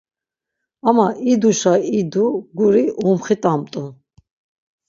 Ama iduşa idu guri umxit̆amt̆u.